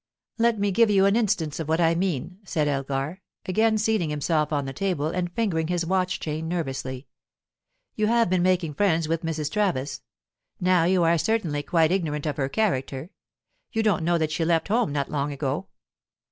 "Let me give you an instance of what I mean," said Elgar, again seating himself on the table and fingering his watch chain nervously. "You have been making friends with Mrs. Travis. Now, you are certainly quite ignorant of her character. You don't know that she left home not long ago."